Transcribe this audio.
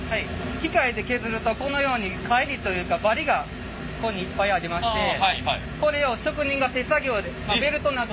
機械で削るとこのようにかえりというかバリがこういうふうにいっぱいありましてこれを職人が手作業でベルトなどを使って研磨していきます。